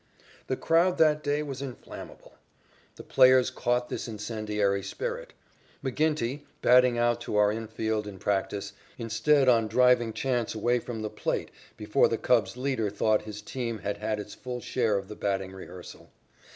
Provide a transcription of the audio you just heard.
The crowd that day was inflammable. The players caught this incendiary spirit. McGinnity, batting out to our infield in practice, insisted on driving Chance away from the plate before the Cubs' leader thought his team had had its full share of the batting rehearsal.